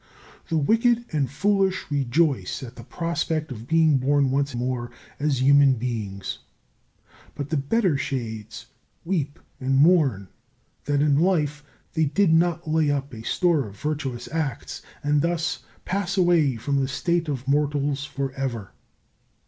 The wicked and foolish rejoice at the prospect of being born once more as human beings; but the better shades weep and mourn that in life they did not lay up a store of virtuous acts, and thus pass away from the state of mortals for ever.